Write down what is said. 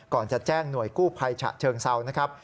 ก่อนจะแจ้งหน่วยกู้ภัยฉะเชิงเซานะครับ